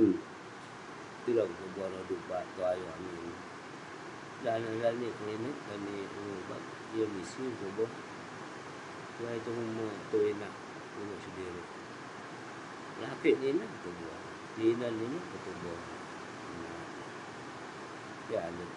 Emk..pun yah petuboh rodu bat tong ayuk amik. Dan neh danik klinik, danik ume' ubat..yeng misi petoboh..tuai tong ume' tong inak amik sedirik..lakeik ineh petuboh, tinen ineh petuboh, menat...